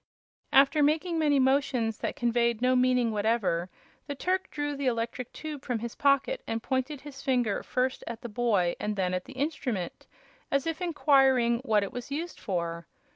After making many motions that conveyed no meaning whatever, the Turk drew the electric tube from his pocket and pointed his finger first at the boy and then at the instrument, as if inquiring what it was used for.